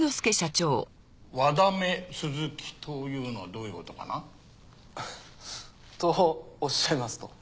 和田目鈴木というのはどういうことかな？とおっしゃいますと？